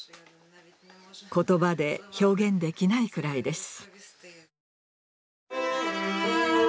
言葉で表現できないくらいです。